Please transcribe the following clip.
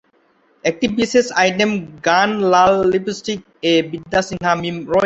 একটি বিশেষ আইটেম গান লাল লিপস্টিক-এ বিদ্যা সিনহা মীম রয়েছেন।